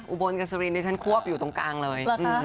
อุโบรนด์กับเซอรินในชั้นควบอยู่ตรงกลางเลย